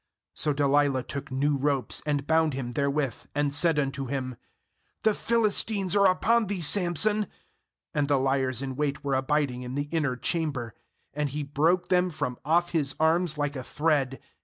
^So Delilah took new ropes, and bound him therewith, and said unto him: 'The Philistines are upon thee, Samson/ And the liers in wait were abiding in the inner cham ber. And he broke them from off his arms like a thread.